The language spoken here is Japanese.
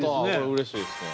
うれしいですね。